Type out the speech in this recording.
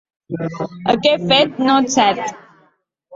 Aquest fet no és cert.